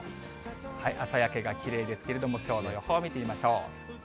朝焼けがきれいですけれども、きょうの予報を見てみましょう。